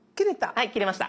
はい切れました。